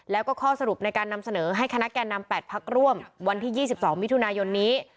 แล้วก็ข้อสรุปในการนำเสนอให้คณะแก่นำ๘พักร่วมวันที่๒๒มิถุนายนนี้